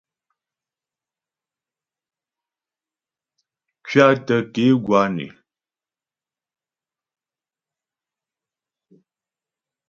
Kuatə ke gwǎ né.